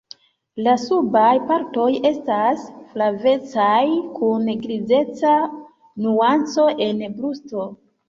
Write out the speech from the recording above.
La subaj partoj estas flavecaj, kun grizeca nuanco en brusto.